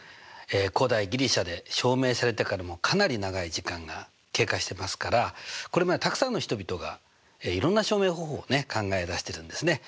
古代ギリシャで証明されてからかなり長い時間が経過してますからこれまでたくさんの人々がいろんな証明方法を考え出してるんですね。